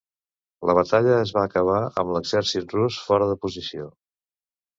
La batalla en va acabar amb l'exèrcit rus fora de posició.